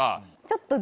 ちょっと。